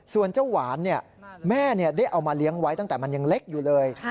ส่วนเจ้าหวานแม่ได้เอามาเลี้ยงไว้ตั้งแต่มันยังเล็กอยู่เลย